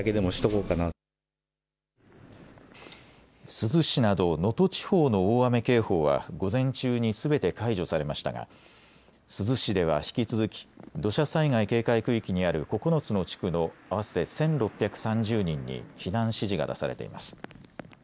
珠洲市など能登地方の大雨警報は午前中にすべて解除されましたが珠洲市では引き続き土砂災害警戒区域にある９つの地区の合わせて１６３０人に避難指示が出されています。